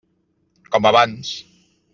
Com abans.